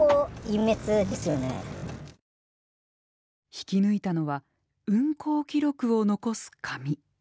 引き抜いたのは運行記録を残す紙。